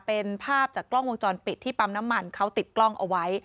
เป็นภาพจากกล้องวงจรปิดที่ปั๊มน้ำมันเขาติดกล้องเอาไว้